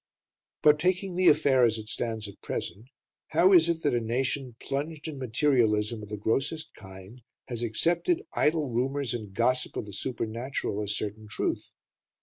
But, taking the affair as it stands at present, how is it that a nation plunged in materialism of the grossest kind has accepted idle rumours and gossip of the supernatural as certain truth?